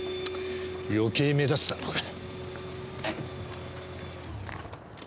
余計目立つだろうが。